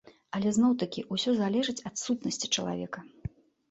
Але зноў-такі, усё залежыць ад сутнасці чалавека.